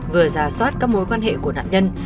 vừa ra soát các mối quan hệ của nạn nhân